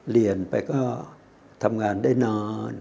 เรียนไปก็ทำงานได้นอน